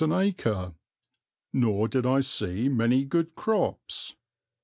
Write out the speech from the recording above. an acre; nor did I see many good crops.